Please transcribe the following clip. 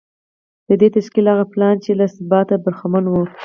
د دې تشکیل هغه پلان چې له ثباته برخمن و